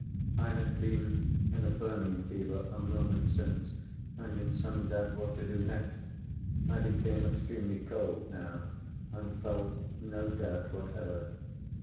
I had been in a burning fever, a moment since, and in some doubt what to do next. I became extremely cold now, and felt no doubt whatever.